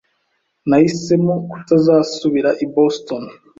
Nahisemo kutazasubira i Boston.